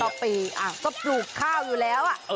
ปีก็ปลูกข้าวอยู่แล้ว